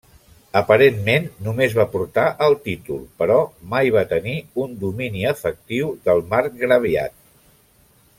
Aparentment només va portar el títol però mai va tenir un domini efectiu del marcgraviat.